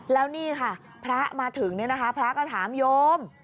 แล้วนี่ค่ะพระมาถึงเนี่ยนะคะพระก็ถามโยม